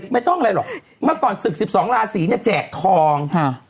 ไม่ต้องอะไรหรอกเมื่อก่อนศึก๑๒ราศีเนี่ยแจกทอง